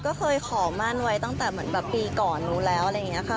ก็เคยขอมั่นไว้ตั้งแต่เหมือนแบบปีก่อนนู้นแล้วอะไรอย่างนี้ค่ะ